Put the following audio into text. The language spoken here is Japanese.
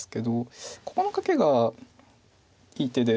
ここのカケがいい手で。